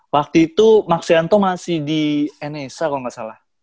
waktu itu maxianto masih di enesa kalau gak salah